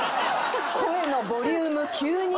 声のボリューム急に。